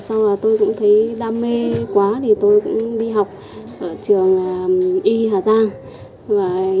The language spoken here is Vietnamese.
sau đó tôi cũng thấy đam mê quá thì tôi cũng đi học ở trường y hà giang